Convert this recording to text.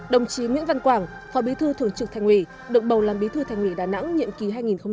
đồng chí nguyễn văn quảng phó bí thư thường trực thành ủy được bầu làm bí thư thành ủy đà nẵng nhiệm kỳ hai nghìn hai mươi hai nghìn hai mươi năm